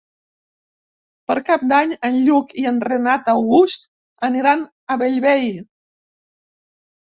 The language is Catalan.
Per Cap d'Any en Lluc i en Renat August aniran a Bellvei.